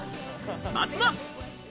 まずは。